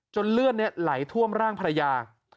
เลือดนี้ไหลท่วมร่างภรรยา